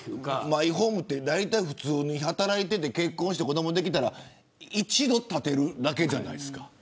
マイホームは普通に働いていて結婚して子どもができたら一度建てるだけじゃないですか。